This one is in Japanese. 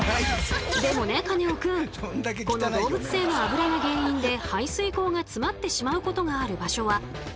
でもねカネオくんこの動物性のあぶらが原因で排水口が詰まってしまうことがある場所はほかにも。